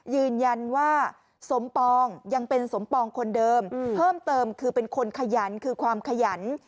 ยืนยันว่าสมปองยังเป็นสมปองคนเดิมเพิ่มเติมคือเป็นคนขยันคือความขยัน